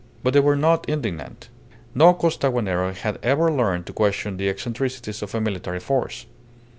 But they were not indignant. No Costaguanero had ever learned to question the eccentricities of a military force.